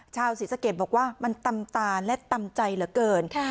ชาวศรีสะเกดบอกว่ามันตำตาและตำใจเหลือเกิน